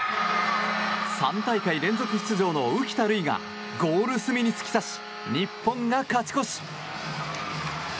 ３大会連続出場の浮田留衣がゴール隅に突き刺し日本が勝ち越し！